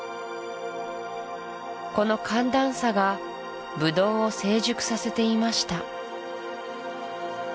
この寒暖差がブドウを成熟させていました